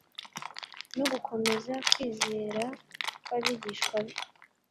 no gukomeza kwizera kw’abigishwa be